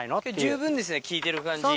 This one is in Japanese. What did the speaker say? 十分ですね聞いてる感じ。